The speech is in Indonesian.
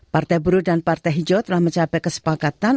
partai buruh dan partai hijau telah mencapai kesepakatan